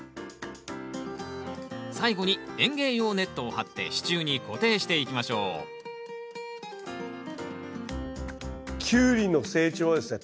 最後に園芸用ネットを張って支柱に固定していきましょうキュウリの成長はですね